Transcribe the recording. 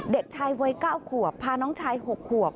เด็กชายวัย๙ขวบพาน้องชาย๖ขวบ